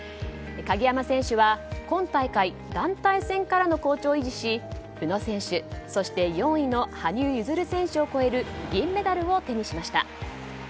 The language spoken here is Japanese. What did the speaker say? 鍵山選手は今大会団体戦からの好調を維持し宇野選手、そして４位の羽生結弦選手を超える銀メダルを手にしました。